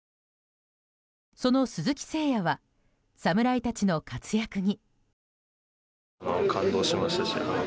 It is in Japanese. その鈴木誠也は侍たちの活躍に。